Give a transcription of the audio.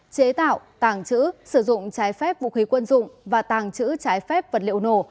chế tạo tàng trữ sử dụng trái phép vũ khí quân dụng và tàng trữ trái phép vật liệu nổ